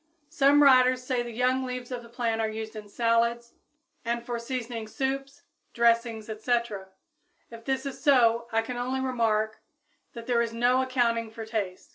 _ Some writers say the young leaves of the plant are used in salads and for seasoning soups, dressings, etc. If this is so, I can only remark that there is no accounting for tastes.